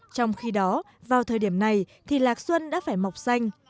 trong khi đó vào thời điểm này thì lạc xuân đã phải mọc xanh